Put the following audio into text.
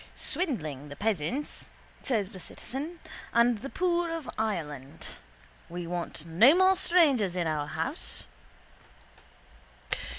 —Swindling the peasants, says the citizen, and the poor of Ireland. We want no more strangers in our house.